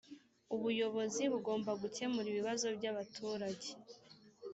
ubuyobozi bugomba gukemura ibibazo byabaturage.